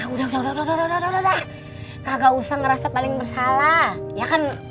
udah udah udah udah udah udah udah udah udah nggak usah ngerasa paling bersalah ya kan